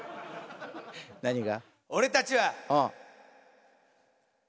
何が？